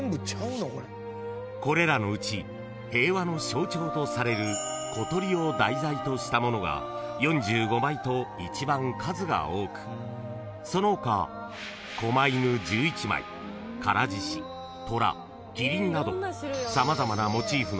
［これらのうち平和の象徴とされる小鳥を題材としたものが４５枚と一番数が多くその他こま犬１１枚唐獅子虎麒麟など］